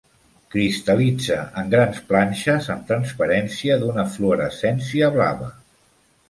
Cristal·litza en grans planxes amb transparència d'una fluorescència blava.